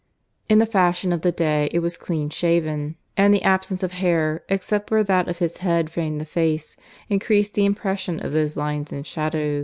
In the fashion of the day it was clean shaven, and the absence of hair, except where that of his head framed the face, increased the impressions of those lines and shadow.